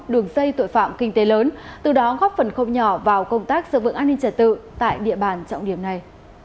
đường dây tội phạm kinh tế lớn từ đó góp phần không nhỏ vào công tác sở vượng an ninh trẻ tự tại địa bàn trọng điểm này